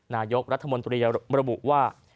นายกรัฐมนตรีระบุว่า